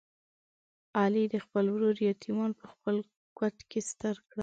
علي د خپل ورور یتیمان په خپل کوت کې ستر کړل.